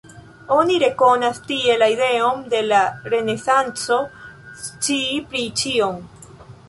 Oni rekonas tie la ideon de la Renesanco, scii pri ĉion.